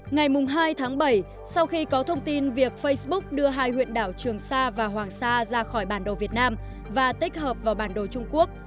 ngày hai tháng bảy sau khi có thông tin việc facebook đưa hai huyện đảo trường sa và hoàng sa ra khỏi bản đồ việt nam và tích hợp vào bản đồ trung quốc